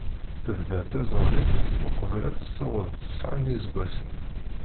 Tebda taẓẓalit uqbel ad tessaweḍ tesɛa n yiseggasen.